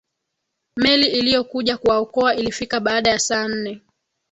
meli iliyokuja kuwaokoa ilifika baada ya saa nne